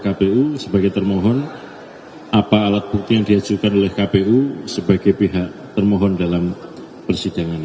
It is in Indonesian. kpu sebagai termohon apa alat bukti yang diajukan oleh kpu sebagai pihak termohon dalam persidangan